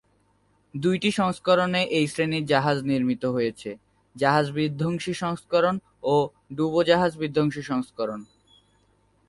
দুইটি সংস্করণে এই শ্রেণির জাহাজ নির্মিত হয়েছে- জাহাজ-বিধ্বংসী সংস্করণ ও ডুবোজাহাজ-বিধ্বংসী সংস্করণ।